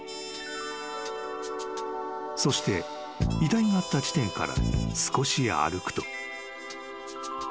［そして遺体があった地点から少し歩くと］